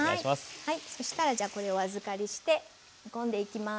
そしたらこれをお預かりして煮込んでいきます。